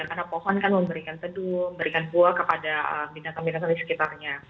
karena pohon kan memberikan tedung memberikan buah kepada binatang binatang di sekitarnya